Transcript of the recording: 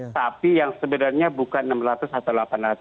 tapi yang sebenarnya bukan enam ratus atau delapan ratus